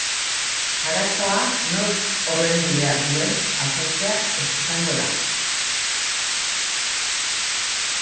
Arazoa nork ordaindu behar duen ezartzea izango da.